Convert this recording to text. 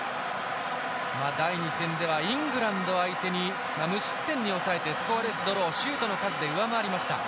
第２戦ではイングランド相手に無失点に抑えてスコアレスドローシュートの数で上回りました。